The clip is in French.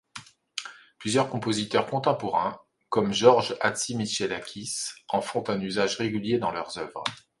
Plusieurs compositeurs contemporains, comme George Hatzimichelakis en font un usage régulier dans leurs œuvres.